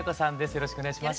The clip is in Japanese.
よろしくお願いします。